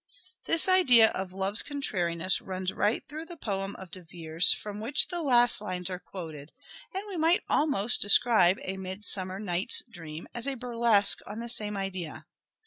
This idea of Love's contrariness runs right through the poem of De Vere's from which the last lines are quoted ; and we might almost describe "A Midsummer Night's Dream " as a burlesque on the same idea.